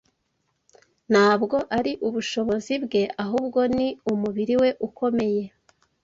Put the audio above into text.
Ntabwo ari ubushobozi bwe, ahubwo ni umubiri we ukomeye.